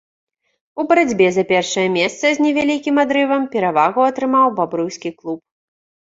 У барацьбе за першае месца з невялікім адрывам перавагу атрымаў бабруйскі клуб.